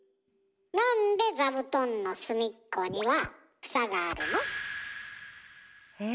なんで座布団の隅っこには房があるの？え？